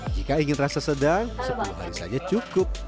jika ingin rasa sedang sepuluh hari saja cukup